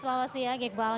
selamat siang iqbal